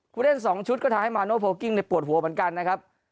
คุณเล่นสองชุดก็ท้ายมาโพลกิ้งปวดหัวเหมือนกันนะครับ